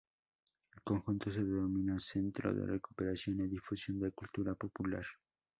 El conjunto se denomina "Centro de Recuperación e Difusión da Cultura Popular".